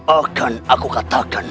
akan aku katakan